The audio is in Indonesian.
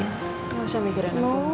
enggak usah mikirin aku